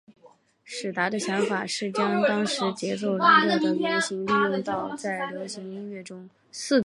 史达的想法是将当时节奏蓝调的原型利用到在流行音乐中。